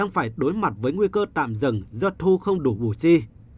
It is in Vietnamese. phải đối mặt với nguy cơ tạm dừng do thu không đủ bù chi